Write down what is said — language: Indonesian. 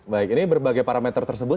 baik ini berbagai parameter tersebut